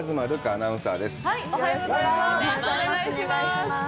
アナウンサーです。